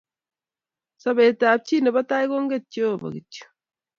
Sobet ap chi ne bo tai konget Jehova kityok.